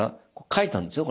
書いたんですよ